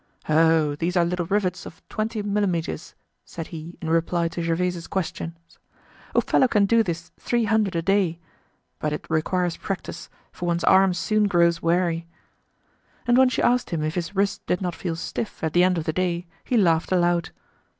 "Oh! these are little rivets of twenty millimetres," said he in reply to Gervaise's questions. "A fellow can do his three hundred a day. But it requires practice, for one's arm soon grows weary." And when she asked him if his wrist did not feel stiff at the end of the day he laughed aloud.